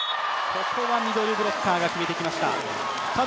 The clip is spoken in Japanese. ここはミドルブロッカーが決めてきました。